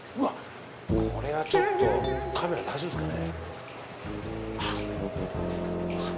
これはちょっとカメラ大丈夫ですかね。